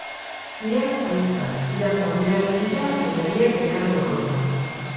Biak ahizpak, biak banderaren bila, baina biak elkarren kontra.